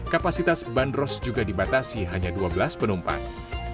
kapasitas bandros juga dibatasi hanya dua belas penumpang